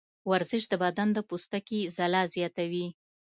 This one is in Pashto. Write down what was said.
ورزش د بدن د پوستکي ځلا زیاتوي.